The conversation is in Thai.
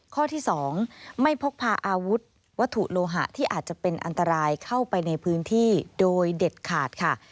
ข้อที่๒ไม่พกพาอาวุธวัตถุโลหะที่อาจจะเป็นอันตรายเข้าไปในพื้นที่โดยเด็ดขาดค่ะ